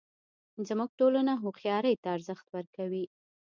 زموږ ټولنه هوښیارۍ ته ارزښت ورکوي